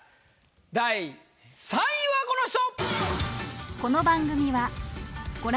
第３位はこの人！